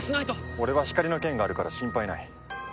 俺は光の剣があるから心配ない。